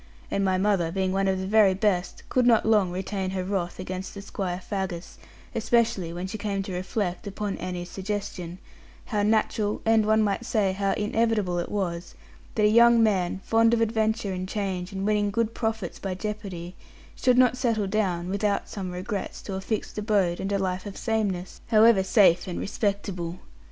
And my mother, being one of the very best, could not long retain her wrath against the Squire Faggus especially when she came to reflect, upon Annie's suggestion, how natural, and one might say, how inevitable it was that a young man fond of adventure and change and winning good profits by jeopardy, should not settle down without some regrets to a fixed abode and a life of sameness, however safe and respectable.